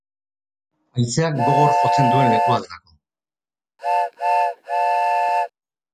Tontorrean parke eoliko bat dago, haizeak gogor jotzen duen lekua delako.